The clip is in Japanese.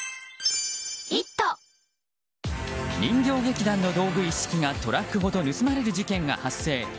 人形劇団の道具一式がトラックごと盗まれる事件が発生。